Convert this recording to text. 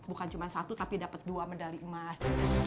bukan cuma satu tapi dapat dua medali emas